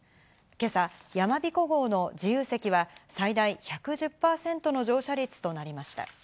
今朝、やまびこ号の自由席は最大１１０％の乗車率となりました。